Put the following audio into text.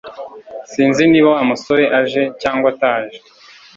Sinzi niba Wa musore aje cyangwa ataje